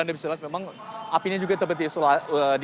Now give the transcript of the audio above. anda bisa lihat memang apinya juga tepat diisolasi